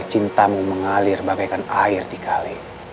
jika cinta mengalir bagaikan air di kalai